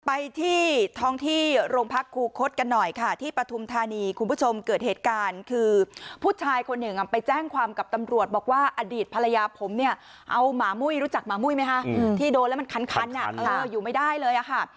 ไปที่ท้องที่โรงพักครูคดกันหน่อยค่ะที่ปฐุมธานีคุณผู้ชมเกิดเหตุการณ์คือผู้ชายคนหนึ่งไปแจ้งความกับตำรวจบอกว่าอดีตภรรยาผมเนี่ยเอาหมามุ้ยรู้จักหมามุ้ยไหมคะที่โดนแล้วมันคันอยู่ไม่ได้เลยค่ะ